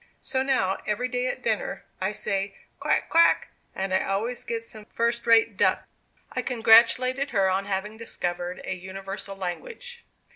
So now every day at dinner, I say 'quack, quack,' and I always get some first rate duck." I congratulated her on having discovered a universal language.